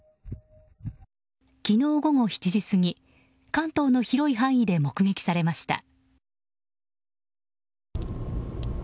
昨日午後７時過ぎ関東の広い範囲で目撃されました。